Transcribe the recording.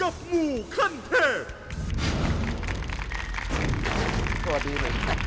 สวัสดีหน่อย